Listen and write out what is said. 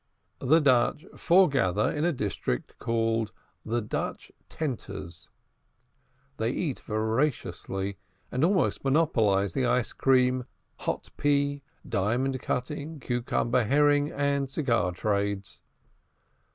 The Dutch foregather in a district called "The Dutch Tenters;" they eat voraciously, and almost monopolize the ice cream, hot pea, diamond cutting, cucumber, herring, and cigar trades.